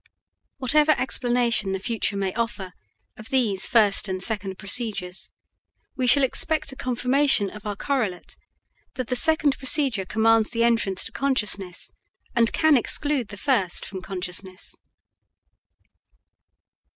Whatever explanation the future may offer of these first and second procedures, we shall expect a confirmation of our correlate that the second procedure commands the entrance to consciousness, and can exclude the first from consciousness.